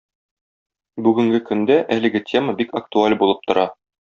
Бүгенге көндә әлеге тема бик актуаль булып тора.